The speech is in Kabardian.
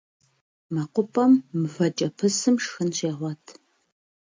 МэкъупӀэм мывэкӀэпысым шхын щегъуэт.